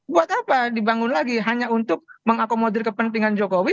buat apa dibangun lagi hanya untuk mengakomodir kepentingan jokowi